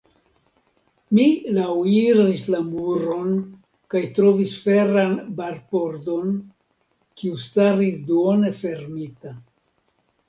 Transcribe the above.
Mi laŭiris la muron kaj trovis feran barpordon, kiu staris duone fermita.